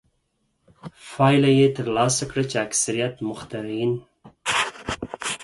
پایله یې ترلاسه کړه چې اکثریت مخترعین.